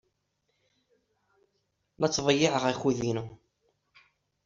La ttḍeyyiɛeɣ akud-inu.